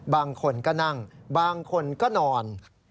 บางคนก็นั่งบางคนก็นอน